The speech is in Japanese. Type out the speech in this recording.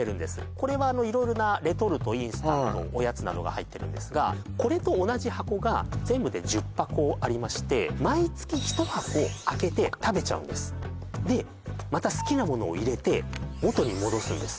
これは色々なレトルトインスタントおやつなどが入ってるんですがこれとありまして毎月１箱開けて食べちゃうんですでまた好きなものを入れて元に戻すんです